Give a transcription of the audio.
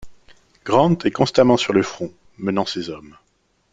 Grant est constamment sur le front, menant ses hommes.